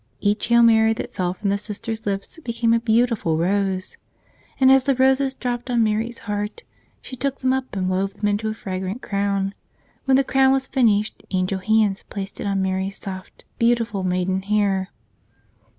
Each Hail Mary that fell from the Sister's lips became a beautiful rose! And as the roses dropped on Mary's heart, she took them up and wove them into a fra¬ grant crown. When the crown was finished angel hands placed it on Mary's soft, beautiful maiden hair.